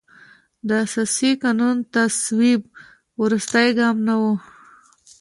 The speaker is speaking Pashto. د اساسي قانون تصویب وروستی ګام نه و.